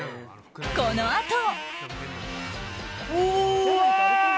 このあと。